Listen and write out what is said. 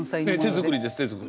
手作りです。